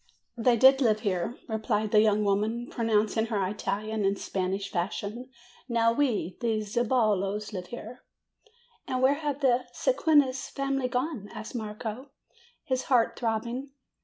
"They did live here," replied the young lady, pro nouncing her Italian in Spanish fashion. "Now we, the Zeballos, live here." "And where have the Mequinez family gone?" asked Marco, his heart throbbing.